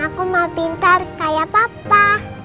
aku mau pintar kayak papa